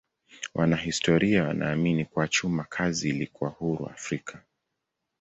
Wanahistoria wanaamini kuwa chuma kazi ilikuwa huru Afrika.